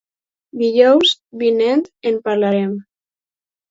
Dijous vinent en parlarem.